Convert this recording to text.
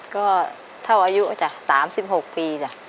ก็เท่าอายุ๓๖ปี